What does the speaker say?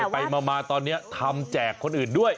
ไปมาตอนนี้ทำแจกคนอื่นด้วย